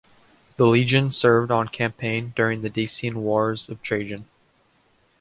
The legion served on campaign during the Dacian wars of Trajan.